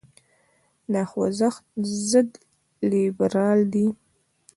دا خوځښت ضد لیبرال دی.